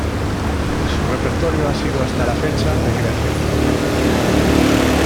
Su repertorio ha sido hasta la fecha de creación propia.